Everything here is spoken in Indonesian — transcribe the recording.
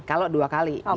kalau dua kali gitu